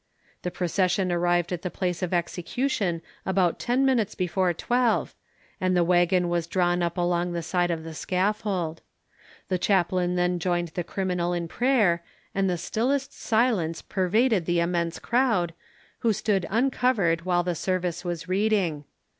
The procession arrived at the place of execution about 10 minutes before 12, and the waggon was drawn up along the side of the scaffold. The chaplain then joined the criminal in prayer, and the stillest silence pervaded the immense crowd, who stood uncovered while the service was reading.